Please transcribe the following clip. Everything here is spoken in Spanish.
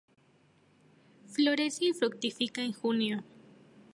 Florece y fructifica en junio.